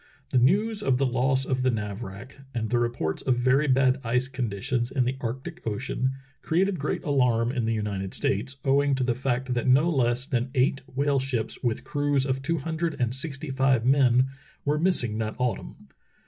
The news of the loss of the Navrach and the reports of very bad ice conditions in the Arctic Ocean created great alarm in the United States, owing to the fact that no less than eight whale ships with crews of two hundred and sixty five men were missing that autumn.